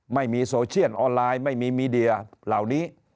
ไม่มีโซเชียนออนไลน์ไม่มีมีเดียเหล่านี้